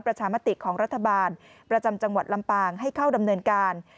ประชามติของรัฐบาลประจำจังหวัดลำปางให้เข้าดำเนินการ